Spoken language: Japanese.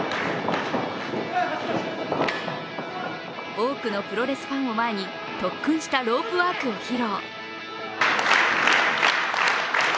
多くのプロレスファンを前に特訓したロープワークを披露。